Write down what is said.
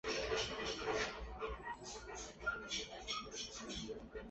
安拉斯是奥地利蒂罗尔州利恩茨县的一个市镇。